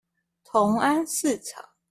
同安市場